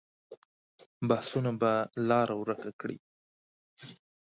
بحثونه به لاره ورکه کړي.